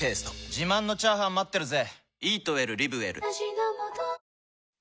自慢のチャーハン待ってるぜ！